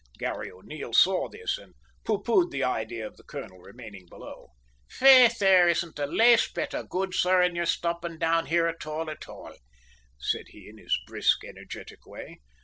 Garry O'Neil saw this, and pooh poohed the idea of the colonel remaining below. "Faith, there ain't the laste bit of good, sor, in yer stoppin' down here at all, at all," said he in his brisk, energetic way.